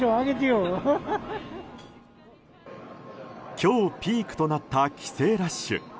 今日、ピークとなった帰省ラッシュ。